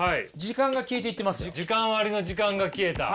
時間割の時間が消えた。